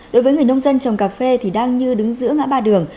đối với người nông dân trồng cà phê thì đang như đứng giữa ngã ba đường